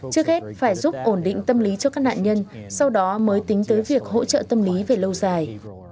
trước hết phải giúp ổn định tâm lý cho các nạn nhân sau đó mới tính tới việc hỗ trợ tâm lý về lâu dài